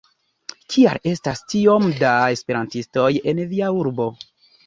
Kial estas tiom da Esperantistoj en via urbo?